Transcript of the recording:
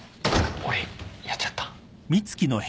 俺やっちゃった？